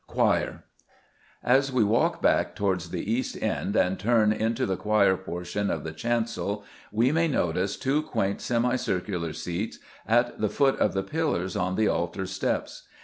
Choir. As we walk back towards the east end and turn into the choir portion of the chancel we may notice two quaint semicircular seats at the foot of the pillars on the altar steps.